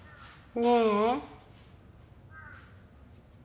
ねえ